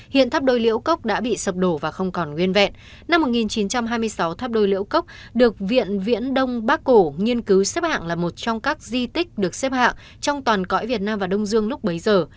hiện tháp đôi liễu cốc đã bị sập đổ và không còn nguyên vẹn năm một nghìn chín trăm hai mươi sáu tháp đôi liễu cốc được viện viễn đông bắc cổ nghiên cứu xếp hạng là một trong các di tích được xếp hạng trong toàn cõi việt nam và đông dương lúc bấy giờ